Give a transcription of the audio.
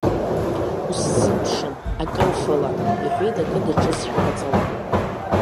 Усзымԥшын, акрыфала, – иҳәеит, акы даҿызшәа ҟаҵауа.